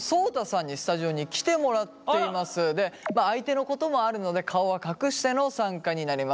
でまあ相手のこともあるので顔は隠しての参加になります。